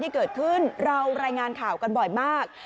ที่เกิดขึ้นเรารายงานข่าวกันบ่อยมาก